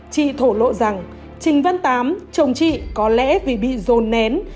chị thổ lộ rằng trình văn tám chồng chị có lẽ vì bị dồn nén